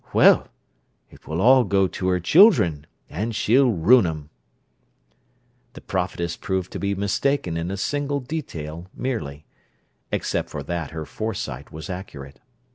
"Well, it will all go to her children, and she'll ruin 'em!" The prophetess proved to be mistaken in a single detail merely: except for that, her foresight was accurate.